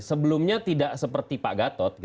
sebelumnya tidak seperti pak gatot